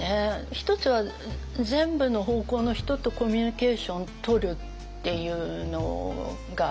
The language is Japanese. １つは全部の方向の人とコミュニケーションとるっていうのがありますよね。